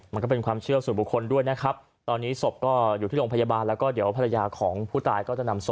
มันก็เป็นความเชื่อส่วนบุคคลด้วยนะครับตอนนี้ศพก็อยู่ที่โรงพยาบาลแล้วก็เดี๋ยวภรรยาของผู้ตายก็จะนำศพ